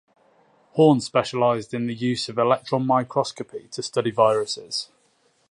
Horne specialized in the use of electron microscopy to study viruses.